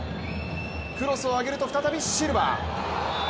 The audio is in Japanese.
クロスを上げると再びシルバ。